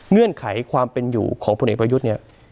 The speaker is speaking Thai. เงื่อนไขความเป็นอยู่ของพลเอกประยุทธ์เนี่ย